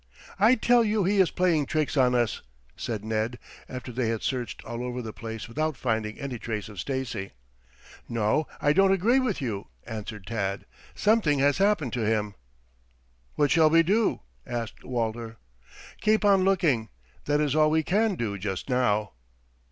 "I tell you he is playing tricks on us," said Ned, after they had searched all over the place without finding any trace of Stacy. "No; I don't agree with you," answered Tad. "Something has happened to him." "What shall we do?" asked Walter. "Keep on looking. That is all we can do just now."